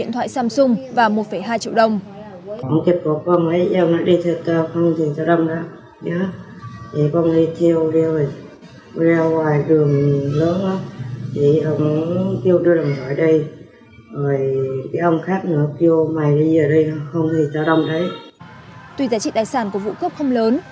tuy giá trị đài sản của vụ cướp không lớn